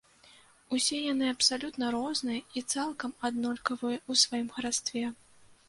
Усе яны абсалютна розныя і цалкам аднолькавыя ў сваім харастве.